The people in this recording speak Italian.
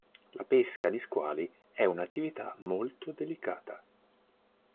La pesca di squali è un'attività molto delicata.